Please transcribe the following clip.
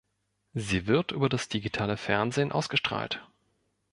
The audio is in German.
Sie wird über das digitale Fernsehen ausgestrahlt.